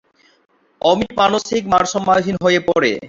অমিত মানসিক ভারসাম্যহীন হয়ে পড়ে।